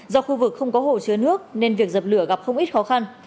do khu vực không có hồ chứa nước nên việc dập lửa gặp không ít khó khăn